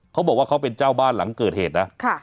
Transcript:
เขาบอกว่าเขาเป็นเจ้าบ้านหลังเกิดเหตุนะ